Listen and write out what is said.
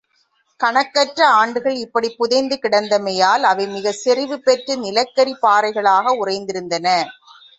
கணக்கற்ற ஆண்டுகள் இப்படிப் புதைந்து கிடந்தமையால் அவை மிகச் செறிவு பெற்று நிலக்கரிப் பாறைகளாக உறைந்திருக்கின்றன.